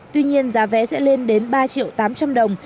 tuy nhiên giá vé sẽ lên đến ba triệu tám trăm linh đồng